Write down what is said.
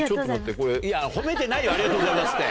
褒めてないよ「ありがとうございます」って。